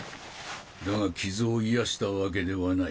だが傷を癒やしたわけではない。